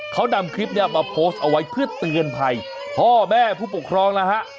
เขานำคลิปนี้มาโพสต์เอาไว้เพื่อเตือนภัยพ่อแม่ผู้ปกครองนะฮะ